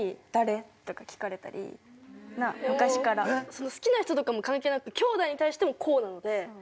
その好きな人とかも関係なくてきょうだいに対してもこうなので。